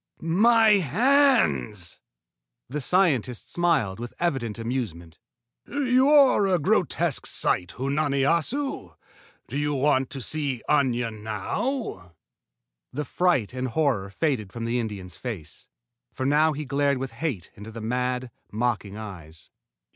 My hands!" The scientist smiled with evident amusement. "You are a grotesque sight, Unani Assu. Do you want to see Aña now?" The fright and horror faded from the Indian's face, for now he glared with hate into the mad, mocking eyes.